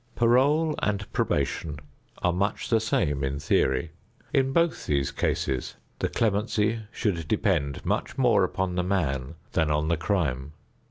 Parole and probation are much the same in theory. In both these cases the clemency should depend much more upon the man than on the crime.